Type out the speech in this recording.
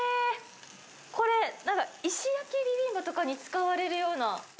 これ、なんか石焼きビビンバとかに使われるような。